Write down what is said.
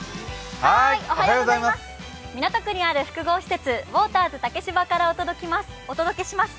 港区にある複合施設、ウォーターズ竹芝からお届けします。